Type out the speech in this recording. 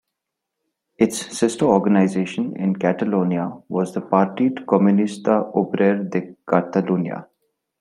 Its sister organisation in Catalonia was the Partit Comunista Obrer de Catalunya.